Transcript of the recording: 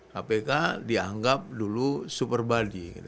kpk dianggap dulu super body